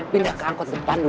pindah ke angkot depan dulu